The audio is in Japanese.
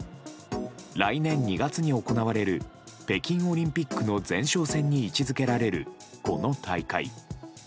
来年２月に行われる北京オリンピックの前哨戦に位置づけられるこの大会。